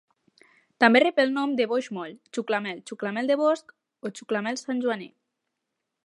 També rep el nom de boix moll, xuclamel, xuclamel de bosc o xuclamel santjoaner.